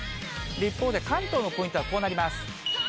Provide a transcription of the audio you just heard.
一方で、関東のポイントはこうなります。